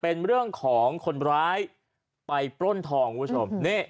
เป็นเรื่องของคนร้ายไปปล้นทองประสงค์